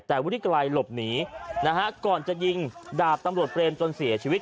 แต่วุฒิไกรหลบหนีนะฮะก่อนจะยิงดาบตำรวจเปรมจนเสียชีวิต